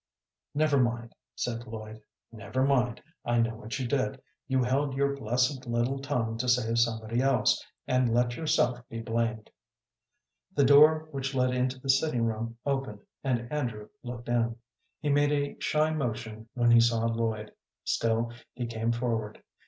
"Never mind," said Lloyd "never mind. I know what you did. You held your blessed little tongue to save somebody else, and let yourself be blamed." The door which led into the sitting room opened, and Andrew looked in. He made a shy motion when he saw Lloyd; still, he came forward.